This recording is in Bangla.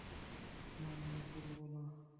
মামলা তুলবো না।